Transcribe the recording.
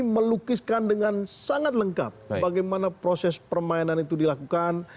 jadi melukiskan dengan sangat lengkap bagaimana proses permainan itu dilakukan